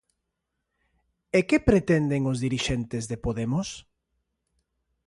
E que pretenden os dirixentes de Podemos?